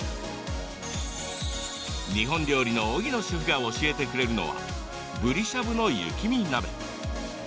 日本料理の荻野シェフが教えてくれるのはぶりしゃぶの雪見鍋。